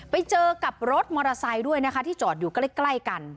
ไปเจอกับรถมอเตอร์ไซค์ด้วยนะคะที่จอดอยู่ใกล้กัน